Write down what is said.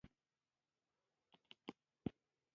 ایا له درندو شیانو ځان وساتم؟